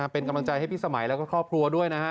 เป็นกำลังใจให้พี่สมัยแล้วก็ครอบครัวด้วยนะฮะ